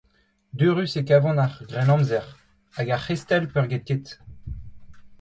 Deurus e kavan ar Grennamzer, hag ar c'hestell peurgetket.